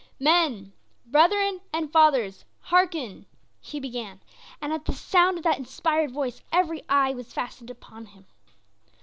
"Men, brethren and fathers, hearken!" he began, and at the sound of that inspired voice every eye was fastened upon him.